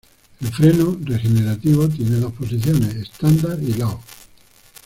El freno regenerativo tiene dos posiciones: Standard y Low.